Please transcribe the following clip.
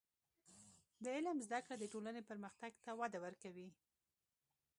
د علم زده کړه د ټولنې پرمختګ ته وده ورکوي.